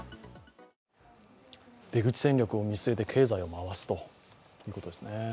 出口戦略を見据えて経済を回すということですね。